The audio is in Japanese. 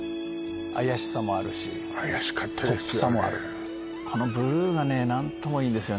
怪しさもあるしポップさもあるこのブルーがね何ともいいんですよね